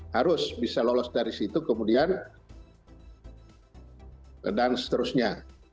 harus bisa lolos dari situ kemudian dan seterusnya